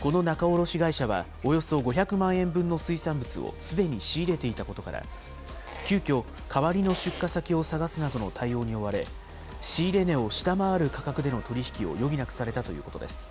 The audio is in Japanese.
この仲卸会社はおよそ５００万円分の水産物をすでに仕入れていたことから、急きょ代わりの出荷先を探すなどの対応に追われ、仕入れ値を下回る価格での取り引きを余儀なくされたということです。